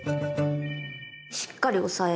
しっかり押さえる。